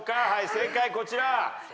正解こちら。